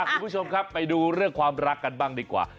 คุณผู้ชมครับไปดูเรื่องความรักกันบ้างดีกว่า